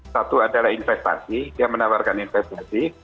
satu adalah investasi dia menawarkan investasi